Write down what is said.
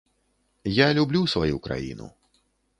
Я люблю сваю краіну.